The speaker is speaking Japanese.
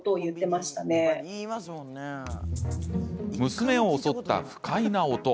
娘を襲った不快な音。